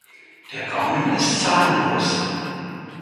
Der Gaumen ist zahnlos.